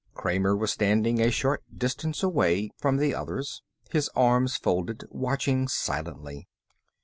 Kramer was standing a short distance away from the others, his arms folded, watching silently.